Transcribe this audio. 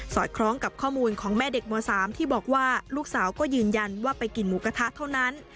อดคล้องกับข้อมูลของแม่เด็กม๓ที่บอกว่าลูกสาวก็ยืนยันว่าไปกินหมูกระทะเท่านั้น